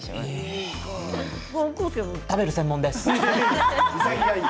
食べる専門です。